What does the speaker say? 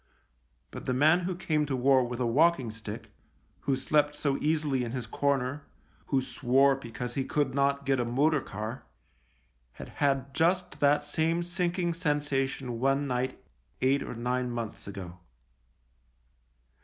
... But the man who came to war with a walking stick, who slept so easily in his corner, who swore because he could not get a motor car, THE LIEUTENANT , 9 had had just that same sinking sensation one night eight or nine months ago.